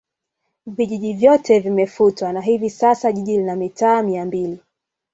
vijiji vyote vimefutwa na hivi sasa jiji lina mitaa mia mbili